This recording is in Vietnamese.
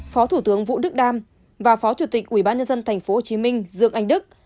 phó thủ tướng vũ đức đam và phó chủ tịch ubnd tp hcm dương anh đức